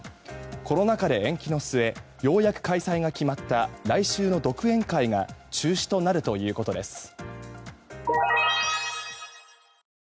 コロナ禍で延期の末ようやく開催が決まった来週の独演会が中止となるということです。